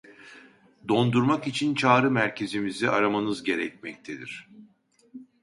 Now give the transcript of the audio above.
Dondurmak için çağrı merkezimizi aramanız gerekmektedir